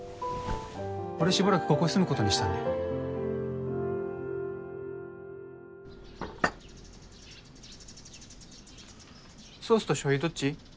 俺しばらくここに住むことにしたんでソースと醤油どっち？